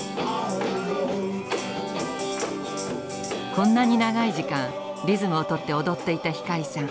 こんなに長い時間リズムをとって踊っていた光さん。